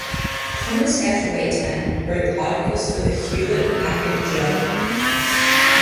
Thomas F. Waitman wrote articles for the "Hewlett-Packard Journal".